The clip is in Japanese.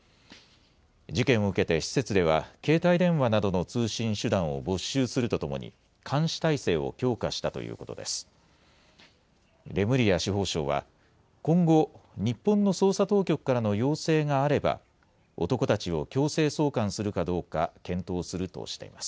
事件を受けて施設では、携帯電話などの通信手段を没収するとともに、監視態勢を強化したということです。